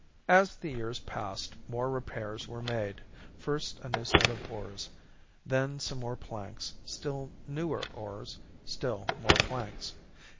"As the years passed more repairs were made first a new set of oars, then some more planks, still newer oars, still more planks.